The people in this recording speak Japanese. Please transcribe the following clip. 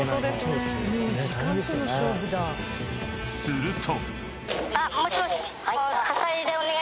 ［すると］